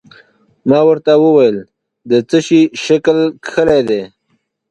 ما ورته وویل: د څه شي شکل کښلی دی؟